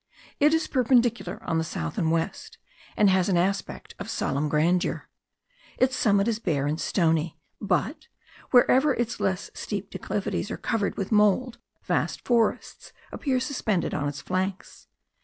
It is perpendicular on the south and west, and has an aspect of solemn grandeur. Its summit is bare and stony, but, wherever its less steep declivities are covered with mould vast forests appear suspended on its flanks.